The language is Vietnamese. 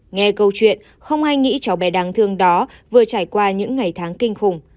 nghe câu chuyện không ai nghĩ cháu bé đáng thương đó vừa trải qua những ngày tháng kinh khủng